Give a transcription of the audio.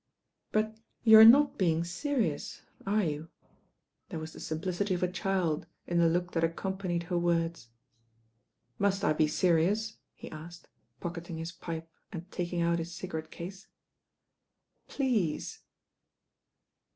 "But you are not being serious, are you ?" There was the simplicity of a child in the look that accom panied her words. "Must I be serious?" he asked, pocketing his pipe and taking out his cigarette*case. "Pleeeeeease."